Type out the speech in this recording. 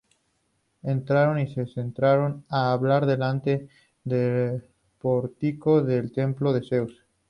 Entraron y se sentaron a hablar delante del pórtico del templo de Zeus.